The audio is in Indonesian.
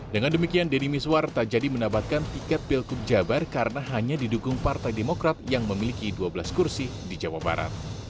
dengan demikian deddy miswar tak jadi menabatkan tiket pilkup jabar karena hanya didukung partai demokrat yang memiliki dua belas kursi di jawa barat